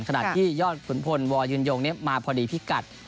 ขณะที่ยอดขุนพลวอยืนยงมาพอดีพิกัด